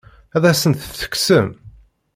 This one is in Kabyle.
Ad asent-tt-tekksem?